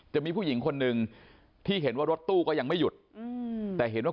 จะมีผู้หญิงคนหนึ่งที่เห็นว่ารถตู้ก็ยังไม่หยุดอืมแต่เห็นว่า